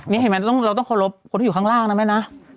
เนี่ยเห็นมั้ยเราต้องโทษคนที่อยู่ข้างล่างนะเนี่ยนะ